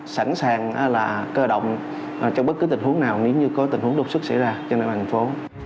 sẵn sàng là cơ động trong bất cứ tình huống nào nếu như có tình huống đột xuất xảy ra trên địa bàn thành phố